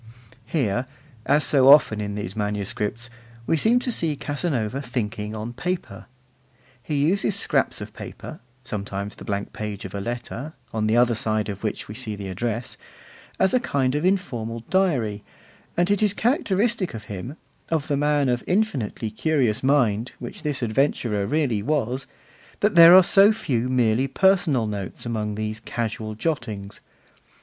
Here, as so often in these manuscripts, we seem to see Casanova thinking on paper. He uses scraps of paper (sometimes the blank page of a letter, on the other side of which we see the address) as a kind of informal diary; and it is characteristic of him, of the man of infinitely curious mind, which this adventurer really was, that there are so few merely personal notes among these casual jottings.